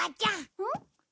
うん？